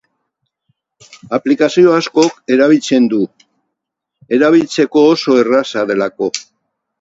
Aplikazio askok erabiltzen du, erabiltzeko oso erraza delako.